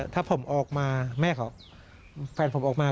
ถ้าผมออกมาแม่เขาแฟนผมออกมา